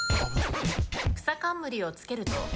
くさかんむりをつけると？